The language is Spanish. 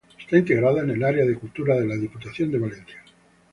Está integrada en el área de Cultura de la Diputación de Valencia.